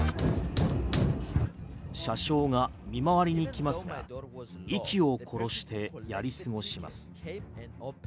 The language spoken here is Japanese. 車掌が見回りに来ますが息を殺してやり過ごします。